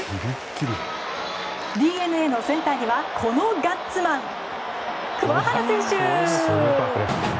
ＤｅＮＡのセンターにはこのガッツマン、桑原選手！